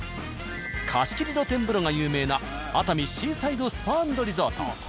貸し切り露天風呂が有名な熱海シーサイドスパ＆リゾート。